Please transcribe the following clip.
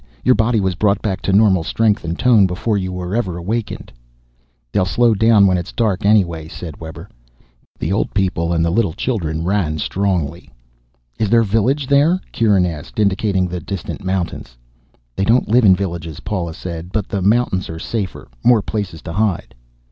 Your body was brought back to normal strength and tone, before you ever were awakened." "They'll slow down when it's dark, anyway," said Webber. The old people and the little children ran strongly. "Is their village there?" Kieran asked, indicating the distant mountains. "They don't live in villages," Paula said. "But the mountains are safer. More places to hide."